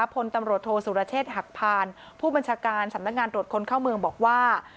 พลตำรวจโทษสุรเชษฐ์หักพานผู้บัญชาการสำนักงานตรวจคนเข้าเมืองบอกว่า